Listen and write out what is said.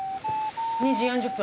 ２時４０分。